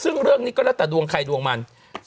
ซึ่งเรื่องนี้ก็แล้วแต่ดวงใครดวงมัน